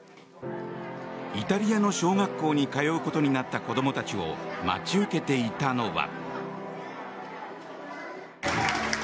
イタリアの小学校に通うことになった子供たちを待ち受けていたのは。